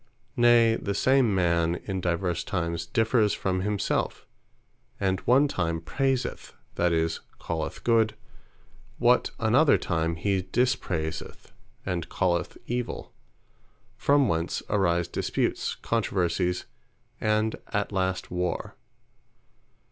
Nay, the same man, in divers times, differs from himselfe; and one time praiseth, that is, calleth Good, what another time he dispraiseth, and calleth Evil: From whence arise Disputes, Controversies, and at last War.